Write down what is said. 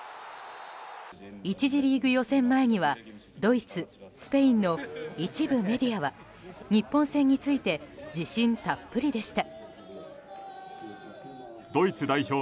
１次リーグ予選前にはドイツ、スペインの一部メディアは日本戦について自信たっぷりでした。